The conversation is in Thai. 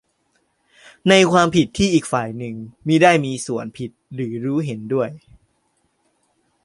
ในความผิดที่อีกฝ่ายหนึ่งมิได้มีส่วนผิดหรือรู้เห็นด้วย